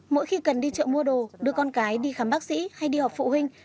mỗi khi cần đi chợ mua đồ đưa con cái đi khám bác sĩ hay đi học phụ huynh